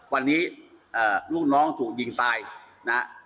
วันนี้ลูกน้องถูกยิงตายนะฮะ